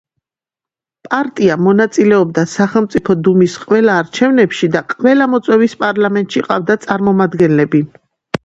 პარტია მონაწილეობდა სახელმწიფო დუმის ყველა არჩევნებში და ყველა მოწვევის პარლამენტში ჰყავდა წარმომადგენლები.